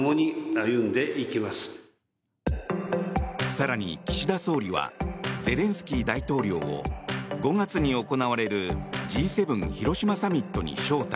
更に、岸田総理はゼレンスキー大統領を５月に行われるＧ７広島サミットに招待。